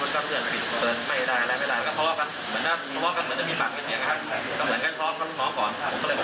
ว่าว่ากลับได้เย็นกลับไปก่อน